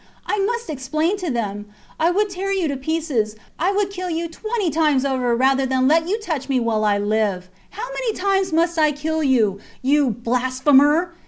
I must explain to them. ... I would tear you to pieces, I would kill you twenty times over rather than let you touch me while I live. How many times must I kill you you blasphemer!